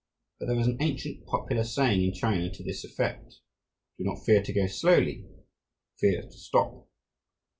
But there is an ancient popular saying in China to this effect, "Do not fear to go slowly; fear to stop."